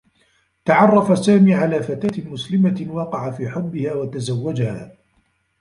تعرّف سامي على فتاة مسلمة، وقع في حبّها و تزوّجها.